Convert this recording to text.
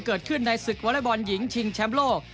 เกิดขึ้นในศึกวอเล็กบอลหญิงชิงแชมป์โลก